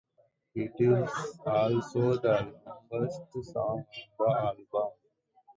It is also the longest song on the album.